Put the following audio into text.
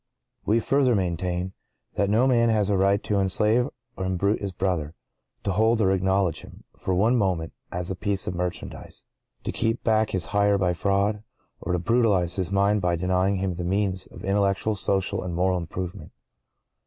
(¶ 12) We further maintain— (¶ 13) That no man has a right to enslave or imbrute his brother—to hold or acknowledge him, for one moment, as a piece of merchandise—to keep back his hire by fraud—or to brutalize his mind by denying him the means of intellectual, social, and moral improvement.